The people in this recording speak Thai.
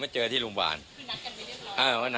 พี่สมหมายก็เลย